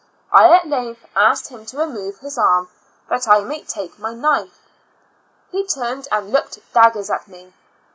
I at length asked him to remove his arm that I might take my knife. He turned and looked daggers at me.